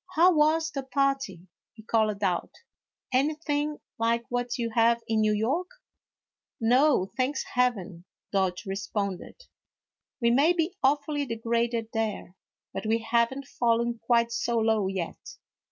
" How was the party ?" he called out ;" anything like what you have in New York ?"" No, thank heaven," Dodge responded, " we may be awfully degraded there, but we have n't fallen quite so low yet."